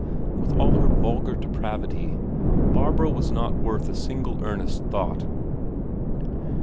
With all her vulgar depravity, Barbro was not worth a single earnest thought.